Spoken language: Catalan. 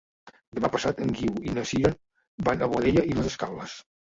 Demà passat en Guiu i na Sira van a Boadella i les Escaules.